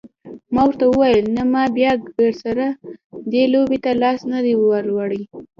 ما ورته وویل نه ما بیا ګردسره دې لوبې ته لاس نه دی وروړی.